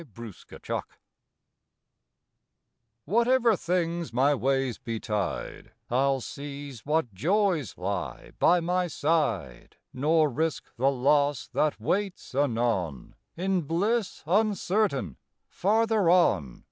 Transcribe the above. April Fifteenth ALONGSIDE things my ways betide I ll seize what joys lie by my side, Nor risk the loss that waits anon In bliss uncertain farther on.